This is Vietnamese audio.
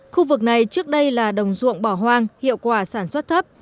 khu vực này trước đây là đồng ruộng bỏ hoang hiệu quả sản xuất thấp